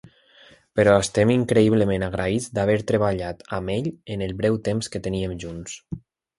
Però estem increïblement agraïts d'haver treballat amb ell en el breu temps que teníem junts.